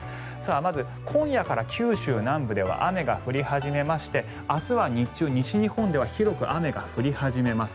まず、今夜から九州南部では雨が降り始めまして明日は日中、西日本では広く雨が降り始めます。